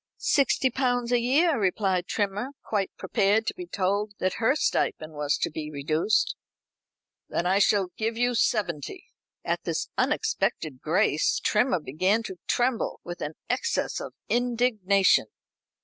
"Sixty pounds a year," replied Trimmer, quite prepared to be told that her stipend was to be reduced. "Then I shall give you seventy." At this unexpected grace Trimmer began to tremble with an excess of indignation.